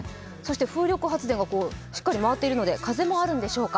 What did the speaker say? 風力発電がしっかり回っていますので、風もあるんでしょうか。